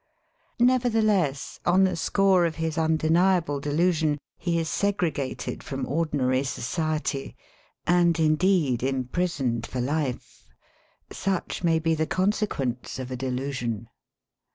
Neverthe less, on the score of his undeniable delusion he is segregated from ordinary society, and indeed im prisoned for life. Sudi may be the consequence of a delusion.